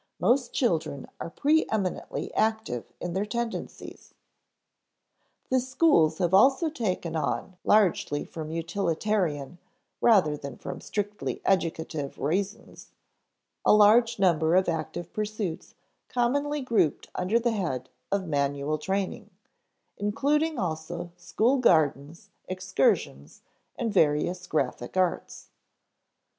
Most children are preëminently active in their tendencies. The schools have also taken on largely from utilitarian, rather than from strictly educative reasons a large number of active pursuits commonly grouped under the head of manual training, including also school gardens, excursions, and various graphic arts.